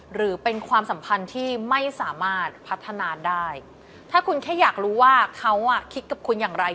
หรือเป็นความสัมพันธ์ที่ไม่สามารถพัฒนาได้ถ้าคุณแค่อยากรู้ว่าเขาอ่ะคิดกับคุณอย่างไร